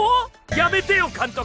やめてよ監督！